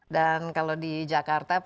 dan kalau di jakarta berapa